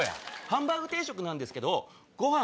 ハンバーグ定食なんですけどご飯